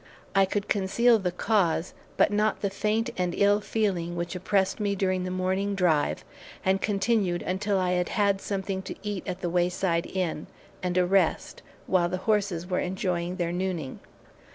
I could conceal the cause, but not the faint and ill feeling which oppressed me during the morning drive and continued until I had had something to eat at the wayside inn, and a rest, while the horses were enjoying their nooning.